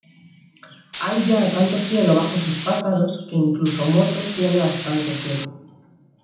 Hay ya tanto cielo bajo sus párpados que incluso muerto tiene bastante cielo.